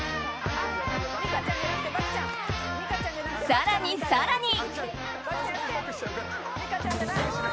更に、更に。